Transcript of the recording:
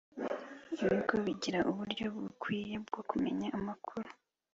Ibigo bigira uburyo bukwiye bwo kumenya amakuru